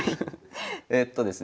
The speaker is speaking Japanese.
えっとですね